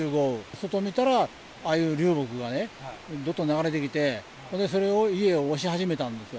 外見たら、ああいう流木がね、どっと流れてきて、それが家を押し始めたんですよ。